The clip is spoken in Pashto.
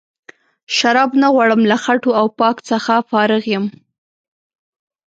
شراب نه غواړم له خټو او پاک څخه فارغ یم.